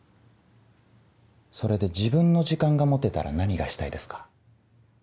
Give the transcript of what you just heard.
それで自分の時間が持てたら何がしたいですか？